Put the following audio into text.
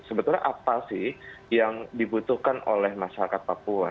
sebetulnya apa sih yang dibutuhkan oleh masyarakat papua